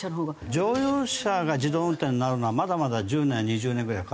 乗用車が自動運転になるのはまだまだ１０年２０年ぐらいかかるので。